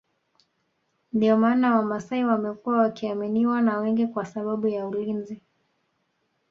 Ndio maana wamasai wamekuwa wakiaminiwa na wengi kwa sababu ya ulinzi